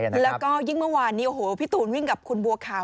แล้วก็ยิ่งเมื่อวานนี้โอ้โหพี่ตูนวิ่งกับคุณบัวขาว